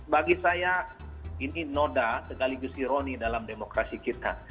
bagi saya ini noda sekaligus ironi dalam demokrasi kita